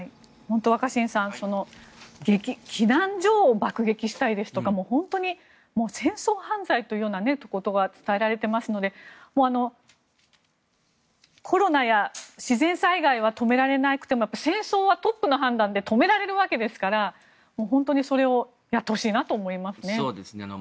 本当に若新さん避難所を爆撃したりですとか本当に戦争犯罪というようなことが伝えられていますのでコロナや自然災害は止められなくても戦争はトップの判断で止められるわけですから本当にそれをやってほしいなと思いますね。